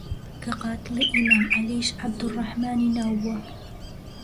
کە قاتڵی ئیمام عەلیش عەبدوڕڕەحمانی ناو بووە